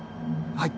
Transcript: はい。